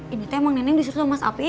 ini emang nenek disuruh mas afif